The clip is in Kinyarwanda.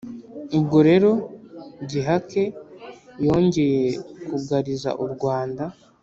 ubwo rero gihake yongeye kugariza u rwanda